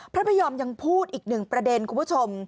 พระพยอมยังพูดอีกหนึ่งประเด็นคุณผู้ชม